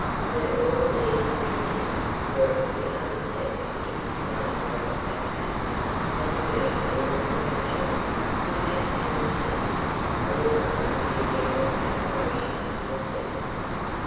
That all of these legatees were of the other sex is explained by the fact that, having been always a bachelor, he had an intense, although only a general admiration for the sex.